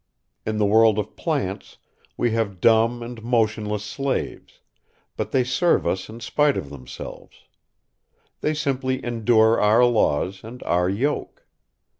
In the world of plants, we have dumb and motionless slaves; but they serve us in spite of themselves. They simply endure our laws and our yoke.